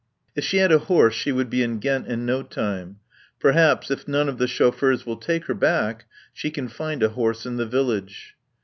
If she had a horse she would be in Ghent in no time. Perhaps, if none of the chauffeurs will take her back, she can find a horse in the village.